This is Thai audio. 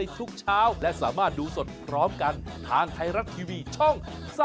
ทุกเช้าและสามารถดูสดพร้อมกันทางไทยรัฐทีวีช่อง๓๒